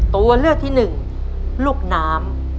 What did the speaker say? ตัวเลือกที่หนึ่งลูกน้ำ